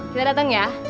kita dateng ya